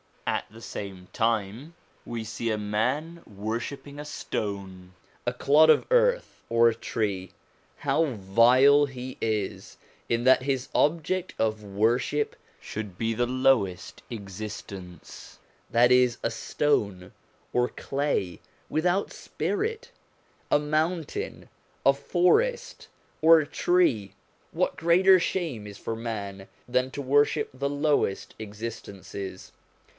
At the same time we see man worshipping a stone, a clod of earth, or a tree : how vile he is, in that his object of worship should be the lowest existence that is a stone, or clay, without spirit ; a mountain, a forest, or a tree. What shame is greater for man than to worship the lowest existences